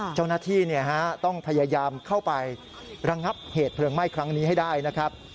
เจ้าหน้าที่ต้องพยายามเข้าไประงับเหตุเพลิงไหม้ครั้งนี้ให้ได้นะครับ